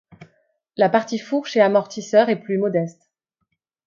La partie fourche et amortisseur est plus modeste.